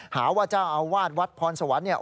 หาว่าจะเอาวาดวัดพรสวรรค์